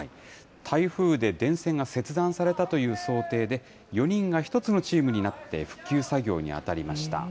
台風で電線が切断されたという想定で、４人が１つのチームになって復旧作業に当たりました。